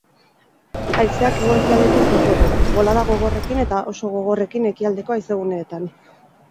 Haizeak hego-ekialdetik joko du, bolada gogorrekin eta oso gogorrekin ekialdeko haizeguneetan.